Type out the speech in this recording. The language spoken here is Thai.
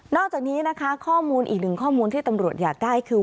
อกจากนี้นะคะข้อมูลอีกหนึ่งข้อมูลที่ตำรวจอยากได้คือ